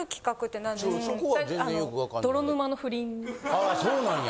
ああそうなんや。